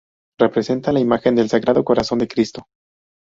Representa a la imagen del Sagrado Corazón de Cristo.